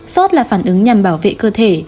sốt là phản ứng nhằm bảo vệ cơ thể